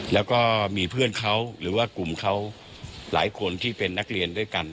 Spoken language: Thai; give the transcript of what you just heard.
แล้วก็มีเพื่อนเขาหรือว่ากลุ่มเขาหลายคนที่เป็นนักเรียนด้วยกัน